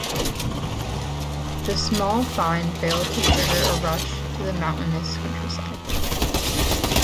The small find failed to trigger a rush to the mountainous countryside.